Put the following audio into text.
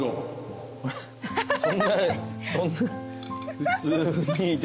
そんな。